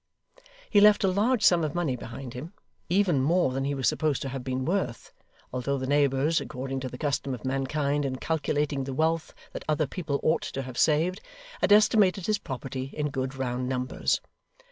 He left a large sum of money behind him; even more than he was supposed to have been worth, although the neighbours, according to the custom of mankind in calculating the wealth that other people ought to have saved, had estimated his property in good round numbers.